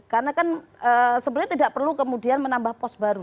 karena kan sebenarnya tidak perlu kemudian menambah pos baru